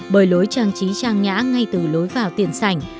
bởi lối trang trí trang nhã ngay từ lối vào tiền sảnh